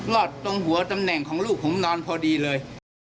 อดตรงหัวตำแหน่งของลูกผมนอนพอดีเลย